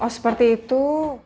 oh seperti itu